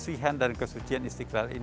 sungguh keren ini untuk kemarin